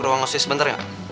mau ke ruang ngosis sebentar gak